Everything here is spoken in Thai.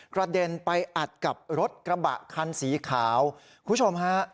กระเด็นไปอัดกับรถกระบะคันสีขาวคุณผู้ชมฮะ